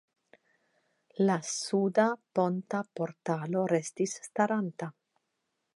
La suda ponta portalo restis staranta.